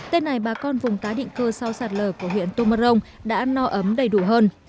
tết này bà con vùng tá định cư sau sạt lở của huyện tô mơ rông đã no ấm đầy đủ hơn